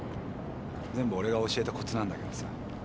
全部俺が教えたことなんだけどさ。